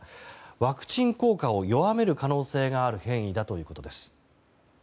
ワクチン効果を弱める可能性がある変異だということです。